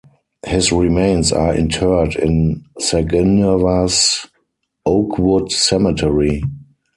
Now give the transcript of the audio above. His remains are interred in Saginaw's Oakwood Cemetery.